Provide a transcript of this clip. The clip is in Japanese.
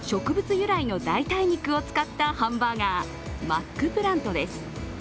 由来の代替肉を使ったハンバーガー、マックプラントです。